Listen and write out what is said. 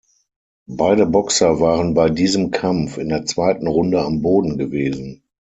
Beide Boxer waren bei diesem Kampf in der zweiten Runde am Boden gewesen.